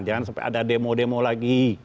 jangan sampai ada demo demo lagi